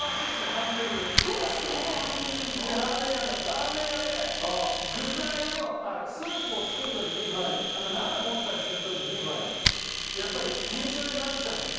ラーメン屋で具材をスープを作る時に鍋持ったりする時にやっぱり腱鞘炎になっちゃうんだよ